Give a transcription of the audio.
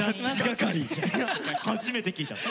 初めて聞いた。